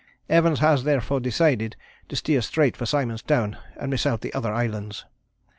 Evans has therefore decided to steer straight for Simon's Town and miss out the other islands.